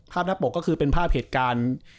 หน้าปกก็คือเป็นภาพเหตุการณ์